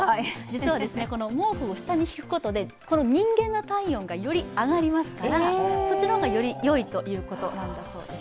実は毛布を下に敷くことで人間の体温がより上がりますから、そっちの方がよりよいということなんだそうです。